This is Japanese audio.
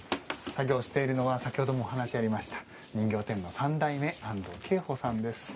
作業しているのは先ほどもお話ありました人形店の三代目安藤桂甫さんです。